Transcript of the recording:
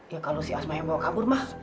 ya kalau si asma yang bawa kabur mah